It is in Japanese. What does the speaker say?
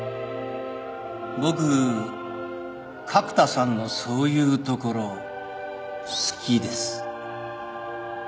僕角田さんのそういうところ好きです。